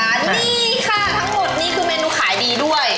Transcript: นี่ค่ะทั้งหมดนี่คือเมนูขายดีด้วย